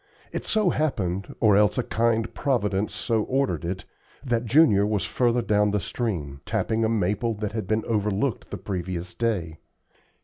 It so happened, or else a kind Providence so ordered it, that Junior was further down the stream, tapping a maple that had been overlooked the previous day.